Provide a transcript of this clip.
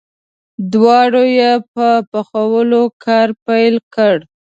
دواړو یې په پخولو کار پیل کړ.